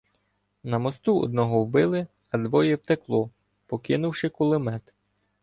На мосту одного вбили, а двоє втекло, покинувши кулемет.